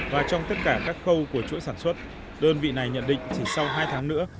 và trong tất cả các khâu của chuỗi sản xuất đơn vị này nhận định chỉ sau hai tháng nữa